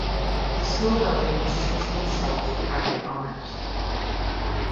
The school building has since been sold to private owners.